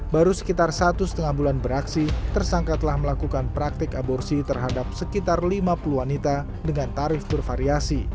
baru sekitar satu setengah bulan beraksi tersangka telah melakukan praktik aborsi terhadap sekitar lima puluh wanita dengan tarif bervariasi